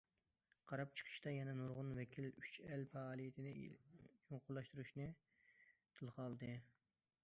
قاراپ چىقىشتا يەنە نۇرغۇن ۋەكىل‹‹ ئۈچ ئەل›› پائالىيىتىنى چوڭقۇرلاشتۇرۇشنى تىلغا ئالدى.